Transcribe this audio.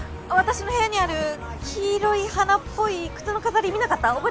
私の部屋にある黄色い花っぽい靴の飾り見なかった？